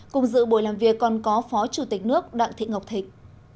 cùng dự buổi làm việc còn có phó chủ tịch nước đặng thị ngọc thịnh